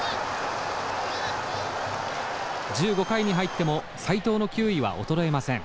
１５回に入っても斎藤の球威は衰えません。